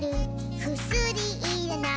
「くすりいらない」